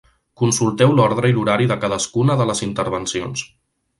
Consulteu l'ordre i l'horari de cadascuna de les intervencions.